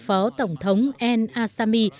phó tổng thống en asami